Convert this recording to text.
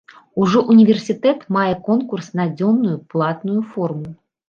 Ужо ўніверсітэт мае конкурс на дзённую платную форму.